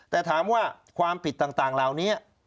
แต่ถามว่าความผิดต่างเหล่านี้